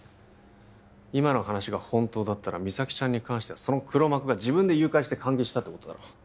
今の話が本当だったら実咲ちゃんに関してはその黒幕が自分で誘拐して監禁したってことだろ？